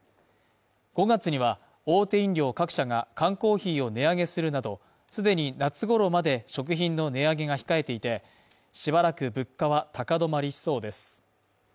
５月には、大手飲料各社が缶コーヒーを値上げするなど、既に夏ごろまで食品の値上げが控えていて、しばらく物価は高止まりしそうです。